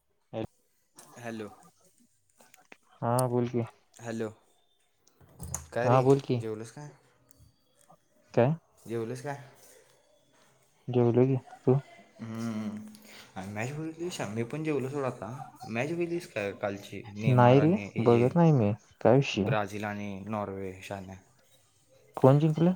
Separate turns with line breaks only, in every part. [inaudible]
Hello
हा बोल की
हॅलो काय
हा
रे
बोल की
जेलूस काय?
काय
जेवलस काय?
जेवलो की तू?
ह् आम्ही [unintelligible] आही पण जेवलो डता मॅच बलीज का कालची ने
नाही
मारा
रे
न हजे
बघत नाही मी काय विषय
ब्राझिल आणि नॉर्वेशा
कोण जिंकलं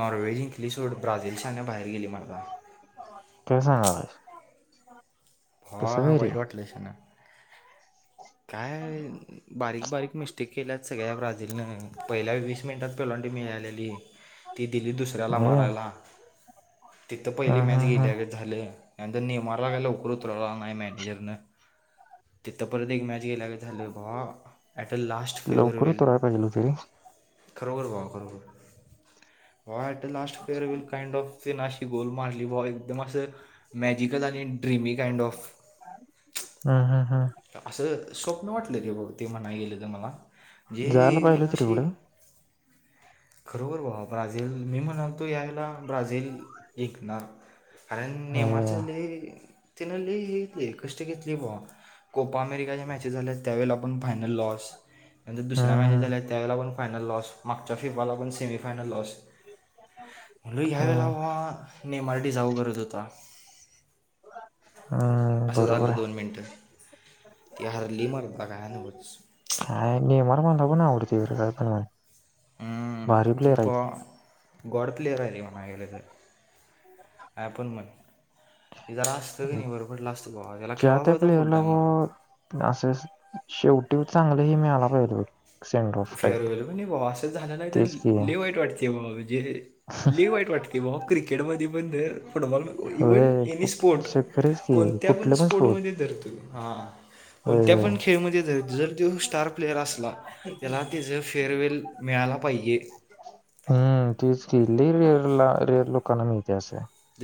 नॉर्वे इक्लीिश सोड ब्राझीलशन बाहेर गेली मारता
कस आवाज
हा वईट वाटलेश ना काय बारीक बारीक मिस्टेक केल्यात सगळ्या ब्राझीलनं पहिल्या वीस मिनटात पेलांटी मि [unintelligible] ती दिली दुसऱ्याला
अरे
मारायला तिथं पहिली
हम्म
मॅच
हम्म
गेल्याग
हम्म
झालं त्यानंतर नेमारला काय लवकर उतरवला नाही मॅनेजर न तिथं परंत एक मॅच ला
लवकर
फेवेल
उतराय पाहिजे होत रे
[unintelligible] खरोखर भावा खरोबर what a last fair will kind of ते नाश ती गोल मारली बॉ एकदम असं मॅजिकल आणि ड्रीमी काइंड ऑफ
हं हं!
असं स्वप्न वाटलं कि बघ ते म्हणा गेले तर मला. ज
जायला
ये
पाहिजे होत रे
नाशी
पुढं
खरोबर बाबा ब्राझील मी म्हणालतो यावेेळेला ब्राझील ऐकणार. आणि र
अरे
नेमच तिन लय कष्ट घेतली बाबा. कोपा अमेरिकाच्या मॅचेस झाल्या त्यावेळेला आपण फायनल लॉस त्यांतर दुसऱ्या मॅचेस
हम्म
झाल्या त्यावेळेला पण. फायनल लॉस मागच्या फिबा ला पण सेमीफानल लॉस. म्हल ह्या वेला
हम्म
व भा आनेमराठी जाऊ करत होता.
हम्म
असं
बरोबर
झालं
आहे
दोन मिनिटं. ती हरली मक मग काय नव्हतं
काय नेमार बांधा पण आवडतेणमान
हम्म,
भारी
ती
प्लेयरय [unintelligible]
बाबा गॉड प्लेअर आहे रे इमाना इलेझर काय पण म्हण. हे जर अस्त की
ते
नाही बर पडलं असत बोवा, याला
ज्या
खेळवा
त्या
कळत फुल
प्लेयरला
टायमाला.
असं शेवटी चांगलं हे मीळाला पाहिजे होत बघ सेंड ऑफ टाईप
फेअरवेल पण नाही बावा असं झालं नाही त
तेच की
लै वाईट वाटते बाबा हे लई वाईट वाटतय भावा क्रिकेटमध्ये पण र फुटबॉल इव्हन
होय
एनी
कुठ
स्पोर्ट,
खरेच की
कोणत्या पण
कुठले स्रोत
स्पोर्टमध्ये धरतो हां
होय
कोणत्या
होय
पण खेळमध्ये धर जर त्यो स्टार प्लेयर असला तेज फेअरवेल मिळाला पाहिजे
हम्म तेच की लई रियरा रियल लोकांनां मिळतंय असं.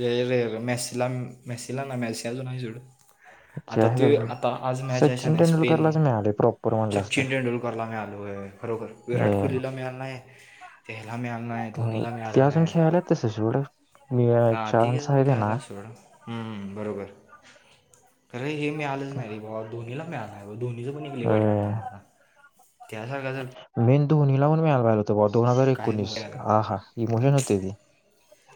लई रियल मेसिला मेसीला नां मेसी अजून आहे जोड आता
आहेत
ते
अजून
आता आज मॅच आहे
सचिन
शान्या स्पेन
तेंडुलकरलाच मिळाले प्रॉपर म्हणलास
सचिन
तर
तेंडुलकरला मिळालोय, खरोखर विराट कोहलीला मिळाला नाही. मिळालं नाही
हो
धोनीला
ते अजून खेळालात तस सोड मी
हा ठीक आहे
चान्स
अजून
त्यांना
खेळायाला सोडा हूं बरोबर अरे हे मिळालंच नाही रे भावा धोनीला मिळालं आहे धोनीच पण एक लई वाईट वाटत
अ
माला त्यासारखा जर
मेन धोनी लापन मीळायला पाहिजेल होत बॉ दोन हजार
काय
एकोणीस
बघायला
हा हा इमोशन होते ती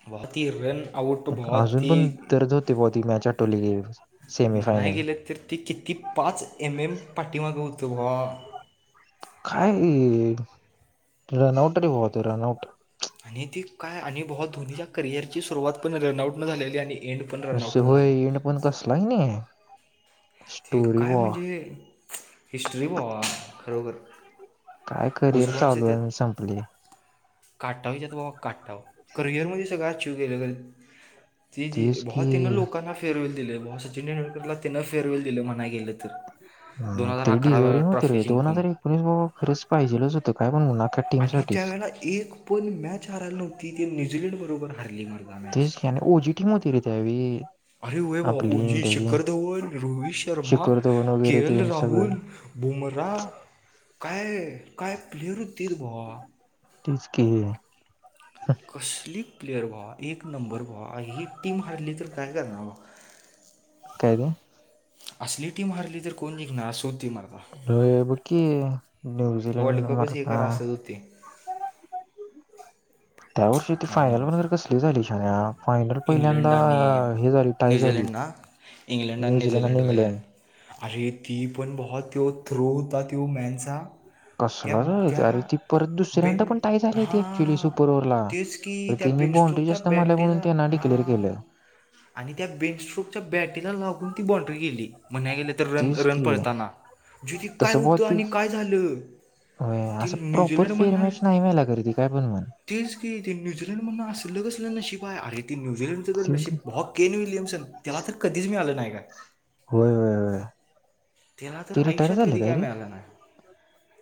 वाहतीरण आऊट भोवा
अजून
ते
पण दर्द होते बुवा ती मॅच आठवली की सेमी
म्हणाया
फायनल
गेलं तर ते किती? पाच एम एम पाठीमाग व्हतो भावा
काय रनआउटरी व्होत रनआउट
आणि ती काय आणि भावा धोनीच्या करिअरची सुरुवात पण रनआउट न झालेली आणि एंड पण
असे
रनआउटनं
होय
झाला
एन्ड पण कसला नी हे
ते काय म्हणजे हिस्ट्री भावा खरोखर
काय करिअर चालू आहे, न आणि संपले
काटावीच्यात बाबा काटाव करिअरमध्ये सगळं आचीव गेलं गल ती जी
तेच
भौ तिन
की
लोकांना फेअरवेल दिले, भौ सचिन तेंडुलकरला तिंन फेअरवेल दिलं म्हणाय गेलंत
ह ते डिझर्विंग होते
ट्रॉफी
रे दोन
जिंकून
हजार एकोणीस बाबा खरंच पाहिजेलच होतं काय पण म्हणा
आणि त्यावेेळेला एक पण मॅच हाराला नव्हती ते न्यूझीलंड बरोबर हारली म्हण
तेच की न ओजी टीम होती रे त्यावेळी
अरे वय भावा
आपली
ओजी
इंडियाची
शिखर धवन, रोहित शर्मा
शिखर धवन
के
वगैरे ते
एल
सगळं
राहुल बुमरा काय, काय प्लेयर होतेरे भावा
तेचकी
कसली प्लेयर व एक नंबर व्हा ही टीम हारली तर काय करणार वा
काय दे
असली टीम हारली जर कोण निघणार असोत
हो बकी
वर्ल्ड
न्यूझिीलंड
कपच
मर
हे
का
करा असंच होते
त्या वर्षी ती फायनल
ॲनोज
बघ बरं कसली झाली शान फायनल
इंग्लंड
पहिल्यांदा
आणि
हे झाली टाय झाली
न्यूझीलंड ना
न्यूझीलंड आणि इंग्लंड.
अरे ती पण भावा, त्यो थ्रो होता त्यो मॅनचा त्या
कसला च
त्या
अरे ती परत दुसऱ्यांदा
बेन
पण टाय झाली, ती ऍक्च्युली
हां
सुपर ओवरला
तेच की त्या
ती नी बॉंडरी
बेनस्ट्रोकच्या
जास्त मारल्या म्हणून
बॅटीला
त्यांन डीक
आणि त्या बेनस्ट्रोकच्या बॅटीला लागून ती बॉण्ड्री गेली म्हनाय गेल तर रन,
तेच
रन
की
पळताना जेती काय
तसं बहुत
होतं
ती
आणि काय झालं?
होय
ती
असं प्रॉपर
न्यूझीलंड म्हणणार
फेअरमॅच नाही व्हायला गर्दी काय पण म्हण
तेच की ते न्यूझीलंड म्हन असलं कसलं नशिब बाय अरे ती न्यूझीलंडचं जर
तीच
नशब भावा केन विलियम्सन त्याला तर कधीच मिळालं नाय काय
होय, होय, होय!
त्याला तर
ते रिटायर
आयुष्यात
झाले
कधी काय
रे
मिळालं नाय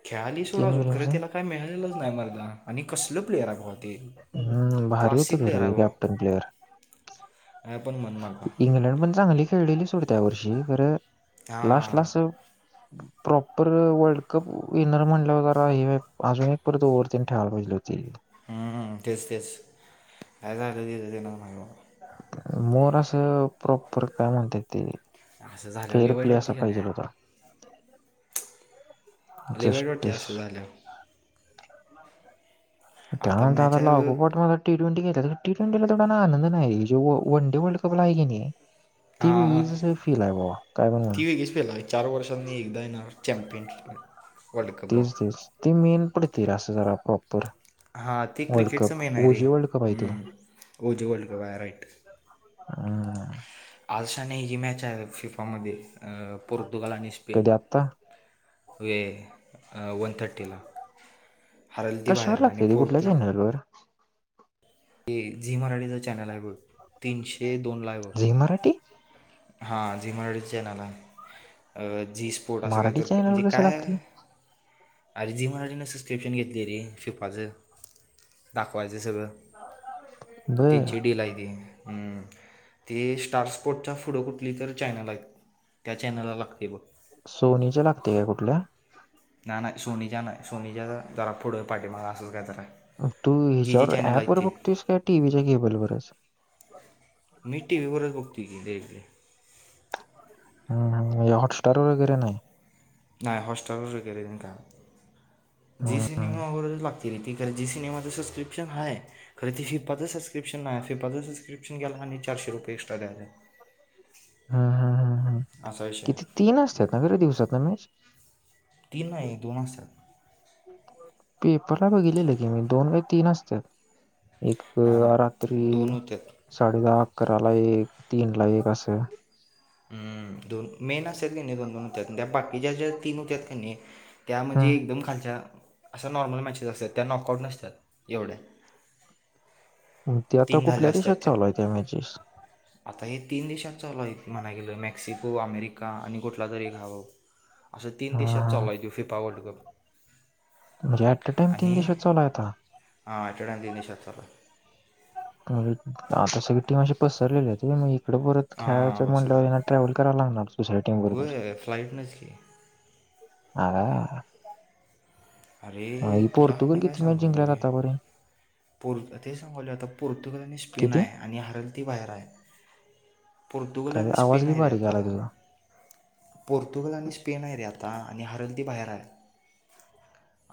खेळाली सोडा
केन
अजून खरं
विल्यमसन
त्याला काय मिळालेलं नाही मरदा कसलं प्लेयरा भावा ते
हम्म भारी
क्लासी
होतं
प्लेयर
खरं
हाय
ते
भावा.
कॅप्टन प्लेअर
[inaudible] मला
इंग्लंड पण चांगली खेळलेली सोडत्या वर्षी खरं लास्ट लास्ट
हां
प्रॉपर वर्ल्ड कप विनर म्हणल्यावर हे अजून एक परत ओव्हर तेन ठेवायला पाहिजेल होती.
हम्म हम्म तेच तेच काय झालं तेज तेलाचं माहित आबा.
मोर असं प्रॉपर काय म्हणत्यात ते
असं झाल्यावर
फेअर
लय वाईट
प्ले असा
वाटते का
पाहिजेल होता.
नाही लई वाईट वाटतय
जस्टिस
अस झाल्यावर.
त्यानंतर
मॅच
आता
आहे बघ.
लागोपाट मझ टी ट्वेंटी घेत तसं टी ट्वेंटीला तेवढा ना आनंद नाही जो व वन डे वर्ल्ड कपला हाय किनी.
हा
पण म्हण
ती वेगळीच फील हाय चार वर्षातन एकदा येणार चॅम्पियन [inaudible] कप भाऊ
तेच तेच ते मेन पडतय रे असं जरा प्रॉप
हा ते क्रिकेटच मेन आहे रे
ओजी वर्ल्ड कप आहे तो
हम्म ओजे वर्ल्ड कप आहे राईट.
हम्म.
आज शान्या हेजी मॅच हाय फिफामध्ये अ पोर्तुगाल आणि स्पेन.
कधी आत्ता
वय वन थर्टीला. हारलती
कशावर
बाहेर आणि
लागते ते कुठल्या
पोर्तू
चॅनलवर
ये झी मराठीचा चॅनल हाय बग तीनशे दोन ला हाय बग.
झी मराठी
हा झी मराठीच चॅनेल हाय अ जी स्पोर्ट असं काय
मराठी
तर म्हणजे
चॅनलवर कसं
काय.
लागते
अरे जी मराठीन सबस्क्रिप्शन घेतलय रे फिपाचं दाखवायचं सगळं.
बर
तीनची डी लाय ती हम्म. ते स्टार स्पोर्टचा फुड कुठली तर चॅनल हायित त्या चॅनलला लागतय बघ.
सोनीच्या लागतय काय कुठल्या?
ना नाही सोनीच्या नाही सोनीच्या जरा पुढं पाठीमाग असंच काय तरा हाय.
तू हीजावर अँप वर बगतेस का टी व्हीच्या केबलवरच?
मी टी व्ही वरच बघतो की नेहमी.
हं हं म्हणजे हॉटस्टार वगैरे नाही.
नाही हॉटस्टारवर वगैरे नाई काय जी
नाही
सिनेमा वरच लाग ती रे ती खरं जी सिनेमाचं सबस्क्रीप्शन हाय खर ती फिफा सबस्क्रीप्शन नाय फिफा च सबस्क्रिप्शन घ्यायला आणि चारशे रुपये एक्स्ट्रा द्यायला पाहिजे.
हा हा हा हा
विषय
किती
आहे
तीन असत्यात ना रे दिवसातन मॅच?
तीन नाही दोन असतात.
पेपरला बघितलेल की मी दोन का तीन असत्यात. एक
नाही नाही
राात्री
दोन होत्यात
साडे दहा अकरा ला एक तीन ला एक असं.
हम्म दोन मेन असत्यात कणे दोन दोन होत्यात बाकीच्या ज्या तीन होत्यात कनि त्या म्हणजे
हं.
एकदम खालच्या असं नॉर्मल मॅचेस असत्यात त्या नॉकआउट नसत्यात एवढ्या.
हूं ते आता
तीन झाल्या
कुठल्या
असतात
देशात चालूय त्या मॅचेस?
आता हे तीन देशां चालू आहे ते म्हणाय गेलं मेक्सिको अमेरिका आणि कुठला तरी एक हाय बाबा. असं तीन
हां,
देशात चालू
हां.
हाय तो फिफा वर्ल्ड कप.
म्हणजे ऍट अ टाइम तीन
आणि
दिशात चला आता
सरा
म्हणजे आता सगळी टीमाशी पसरलेली आहे त मग तकडं परत
हां
खेळायचं
बसायला
म्हटलं ट्रॅव्हल करावं लागणार दुस टी बरोबर
वय फ्लाईटनंच की
आरे
अरे
आई
तुला
पोर्तुगल
मी काय
किती मॅच जिंकल्या
सांगालोय
जा बरे
पोर् ते सांगवले आता पोर्तुगल आणि स्पेन
किती?
आहे आणि हरल ती बाहेर आहे पोर्तुगाल
काय
आणि
आवाज
स्पेन
लई
हरी
बारीक
आता
आला तुझा.
पोर्तुगल आणि स्पेन आहे रे आता आणि हरलदी बाहेर आहे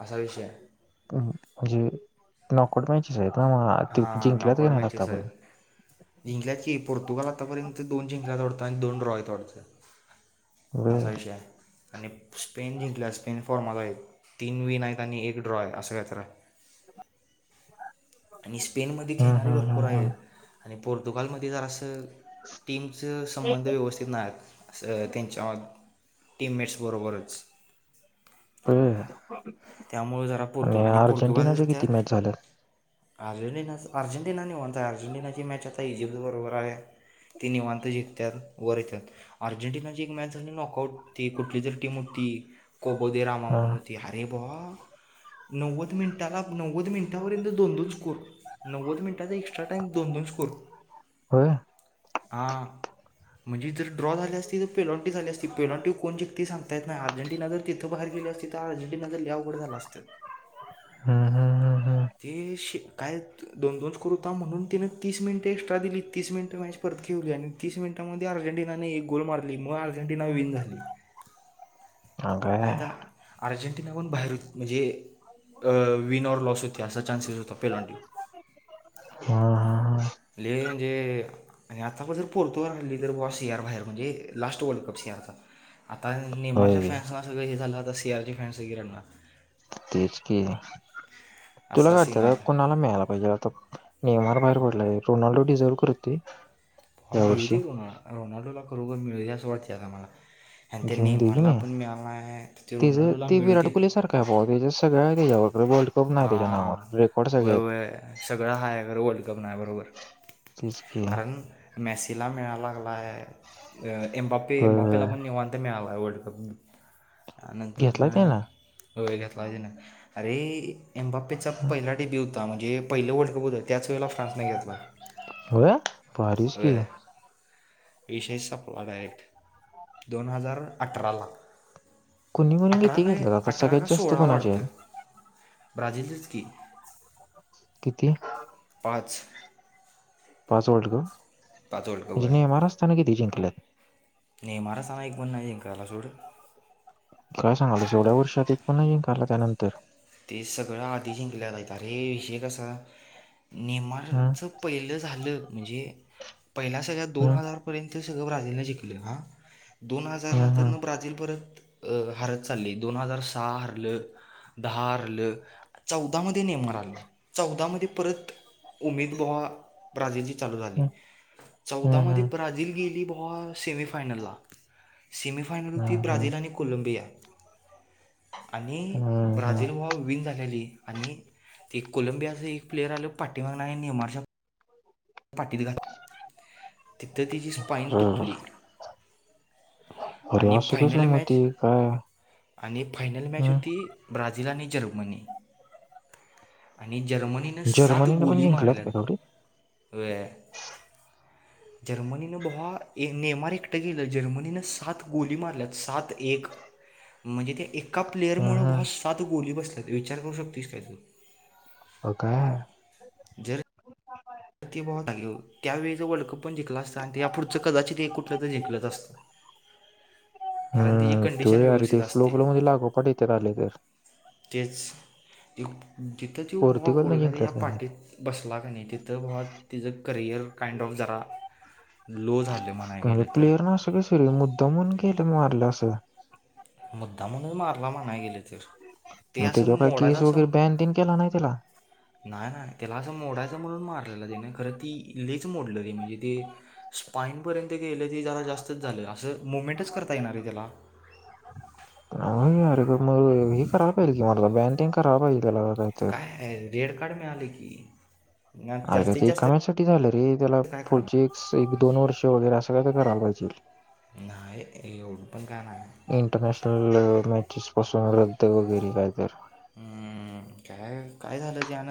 असा विषय आहे
म्हणजे नॉकोट मचेच आहेत ना मग ते
हा
जिंकल्यात की
नॉकआउट
नाही
मॅचेस
आतापर्यंत
आहेत इिंग्लची पोर्तुगल आतापर्यंत दोन जिंंग आवडत आता दोन र आहे थोडसं असा
बर
विषय आणि स्पेन जिंकल्या स्पेन फॉर्माला आहे तीन विन आहेत आणि एक ड्रॉ आहे असं घय रा [inaudible] आणि स्पेनमध्ये
हम्म
खेळणारी
हम्म
भरपूर
हम्म हम्म
आहेत आणि पोर्तुगालमध्ये जर असं टीमच संबंध व्यवस्थित नाही त्यांच्या टीममेट्स बरोबरच
हम्
त्यामुळं जरा पर्तु आणि पोर्तुगाल
अर्जेंटिनाच्या
त्यात
किती मॅच झाल्यात
अर्जेंटिना अर्जेटिना नि म्हणता अर्जेंटिनाची मॅच आता इजिप्त बरोबर आहे ते निवांत जिकतात वर येतात अर्जेंटिनाची एक मॅच झाली नॉकआउट ती कुठली जरी टीम उठते ती कोबोदे रामा
हा
म्हणून होती आणि नव्वद मिनिटा नव्वद मिनिटापर्यंत दोन दो को नव्वद मिनिट
होय
म्हण ड्रॉ झाले असती तर पेलोटी झाली असती पेलंटी कोण शक्ती सांतात अर्जेटिना जर तिथं बाहेर गेली अस तर अर्ें वड झाला असत
हम्म हम्म हम्म हम्म
काय दोन दोन करता म्हणून तिने तीस मिनिटं एक्स्ट्रा दिली तीस मिनिटं माॅ परत घेवली आणि तीस मिनिटं अर्जेंटिनाने एक गोल मारली म अर्जेंटिना विन झाली
हा काय
नाहीता अर्जेंटिना पण बाहेर म्हणजे विनर लॉस होत अस चासस त पेलांटू
हम्म हम्म हम्म
ल म्हणजे आताण जर पोर्तुगाल आणली तर ब सियार बाहेर म्हणजे लास्ट वर्ल्ड कप सियारचा आता नेमाझच्या
होय
फॅन् ते झालला दस याज फॅनस रडना
तेच क तुला
असा सीन आहे
काडत
आता
कुणाला मिळायला पाहिजे आता नियमा बाहेर पड रोनाल्डो िझव करते
मिळू दे रो रोनाल्डोला खरोबर मिळू दे असं वाटते आता मला आणि त्या
घेऊन देऊ की
नेमारला
नाही
पण मिळाला आहे तर ते
तेच
रोनाल्डोला
ते
मिळू
विराट
दे
कोली सारखा आहे भा त्याच्या सगळ्या
हां
सगळे
उय
आहेत
उय सगळा हाय कर वर्ल् का बणा बरोबर
तेच की
कारण मेस तिला मिळा लागला एमबापे
होय
एमबापेला
होय
पण निवांत मिळा वर्ल्ड कप नंतर
घेतलाय त्यानं
वळ घेतला अरे एम्बपेचा पहिला टीपी उ होता म्हणे पहिलं वर्ल्ड कप होता त्याचवेळेला फ्रानसने घेतला
हो पस की
विश सपला डायरेक्ट दोन हजार अठराला
कोणी कोणी
अठरा
किती
नाही
घेतल्यात आता
अठरा
सगळ्यात
का
जास्त
सोळा
कोणाचे
वाढतं
आहेत
ब्राझीलीलच की
किती
पाच
पाच वल्ड
पाच वर्ल्ड
ग जिने महाराष्टताान क त जिंकल्यात
ने महरा सनाक पना इंका आला चूड
काय सांगाल एवढ्या वर्षात एक पण ये का आला त्यानंतर
ते सगळं आधी जिंकल्या गयत रे विषेकसा.
हम्म
नेमाचं पहिलं झालं म्हणजे पहिल्या सळ्या दोन
हम्म
हजारपर्यंत. ्रा श दोन हजार
हम्म
नंतर
हम्म
ब्राझील परत अ हरत चालली दोन हजार सहा हरलं दहा हारलं चौदामध्ये नेम आलं चौदामध्ये परत उमेद बोहा राजजे जी चालू झाली. चौदा
हम्म
मधे
हम्म
ब्राजिल गेली बुवा सेमी फायनल ला. सेमिफानल होती
हम्म हम्म
ब्राझीलल आणि कोलंबिया आणि
हम्म हम्म
ब्राझील वाले विनं झाल्यावर आणि ते कोलंबियाचा एक प्लेयर आला पाठीमागणं आणि ने मारश पाठीत घातला तिथं त्याजी स्पाईन
अरर.
तुटली.
अरे
आणि
असं
फायनल
कसं मग
मॅच
ते काय
आणि फायनल मॅच
हम्म
होती ब्राझील ब्राझील आणि जर्मनी. आणि जर्मनीनं सात
जर्मनीने पण
गोली
जिंकल्यात का तेवढी
मारल्यात वय. जर्मनीनं बघा एक नेमार एकटं गेलं जर्मनीनं सात गोली मारल्या सात. एक म्हणजे त्या एका प्लेयर
हम्म
मूळ बुवा
हम्म
सात गोली बसल्यात विचार करू शकतेस काय तू.
अ काय आहे
जर [unintelligible] त्यावेळे जर वर्ल्ड कप पण जिंकला असतं आणि त्या या पुढचं कदाचित कुठलं तरी जिंकलंच असतं कारण त्याची
हम् तू
कंडिशन
अरि
व्यवस्थित
ते फ्लो
असते
फ्लो मध्ये लागो पाठ येते आले तर
तेच जिथं जव ब
पोर्तुगलनं
गुडला या
जिंकल्यात का नाही
पाठीत बसला का नाही तिथ. तिथं बुवा तिचां करिअर काइंड ऑफ झरा
पण प्लेयर न असं कसा मुद्दा म्हण केलं मारलं असं.
मुद्दा म्हणून मारला म्हणाय गेले तर ते
मग
असं
त्याच्यावर काय
मोडाळ
केस
असं
वगैरे बॅन तेन केला नाही त्याला
नाही नाही त्याला असं मोडायचं म्हणून मारलेलं तिने खरं ती लेच मोडलं र म्हणजे ती स्पाईनपर्यंत गेलं ती जरा जास्तच झालं असं मुवमेंटच करता येणार रे त्याला.
नार मग हे कराय पाहिजे की म बँन बिन खराय पाहिजे त्याला
काय रेड कार्ड मिळाले की. ना
अर का
जास्तीत
ते
जास्त
एकाम्या साठी झालं रे त्याला
काय
पुढचे
करणार
एक दोन वर्ष वगैरे असं काय तर करायला पाहिजे.
नाहीय एवढ पण का ना.
इंटरनॅशनल मॅचेस पासून रद्द वगैरे काय तर.
हम्म काय काय झालं तेन